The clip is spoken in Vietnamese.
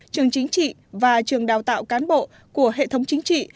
trường chính trị và trường đào tạo cán bộ của hệ thống chính trị